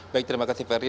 baik terima kasih ferry